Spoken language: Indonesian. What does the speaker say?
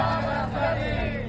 sembah pangeran sejati